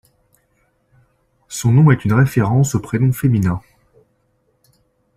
Son nom est une référence au prénom féminin.